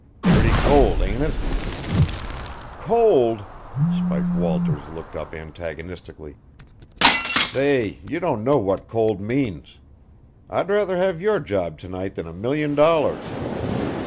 "Pretty cold, ain't it?" "Cold?" Spike Walters looked up antagonistically. "Say, you don't know what cold means. I'd rather have your job to night than a million dollars.